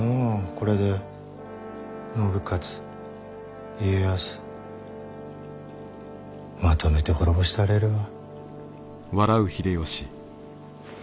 これで信雄家康まとめて滅ぼしたれるわ。